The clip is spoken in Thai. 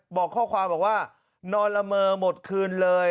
บอกข้อความบอกว่านอนละเมอหมดคืนเลย